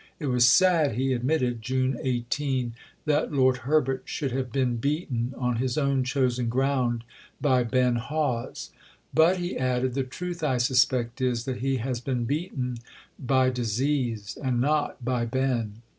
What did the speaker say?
It was sad, he admitted (June 18), that Lord Herbert should have been "beaten on his own chosen ground by Ben Hawes. But," he added, "the truth, I suspect, is that he has been beaten by disease, and not by Ben."